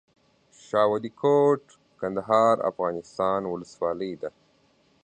شاه ولي کوټ، کندهار افغانستان ولسوالۍ ده